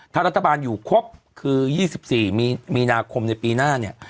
ถ้ารัฐบาลอยู่ครบคือ๒๔มีนาคมในปีหน้าเนี่ย